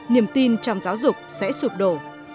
niềm tin trong giáo dục sẽ sụp đổ